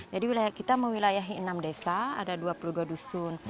jadi kita mewilayahi enam desa ada dua puluh dua dusun